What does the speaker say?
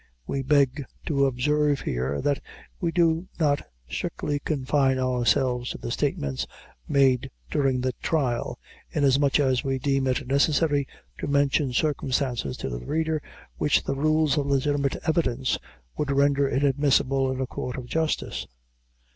We beg to observe here, that we do not strictly confine ourselves to the statements made during the trial, inasmuch as we deem it necessary to mention circumstances to the reader, which the rules of legitimate evidence would render inadmissable in a court of justice.